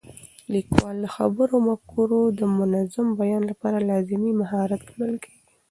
لیکوالی د خبرو او مفکورو د منظم بیان لپاره لازمي مهارت ګڼل کېږي.